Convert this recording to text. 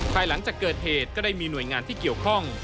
ภายหลังจากเกิดเหตุก็ได้มีหน่วยงานที่เกี่ยวข้อง